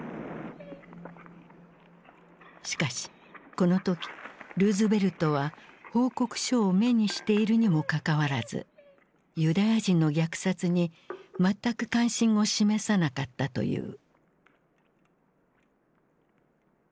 しかしこの時ルーズベルトは報告書を目にしているにもかかわらずユダヤ人の虐殺に全く関心を示さなかったという。